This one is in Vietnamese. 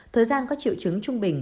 thời gian có triệu chứng trung bình